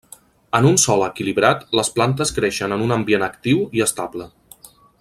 En un sòl equilibrat, les plantes creixen en un ambient actiu i estable.